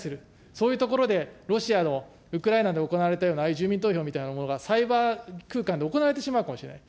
そういうところでロシアのウクライナで行われたような、ああいう住民投票というようなものがサイバー空間で行われてしまうかもしれない。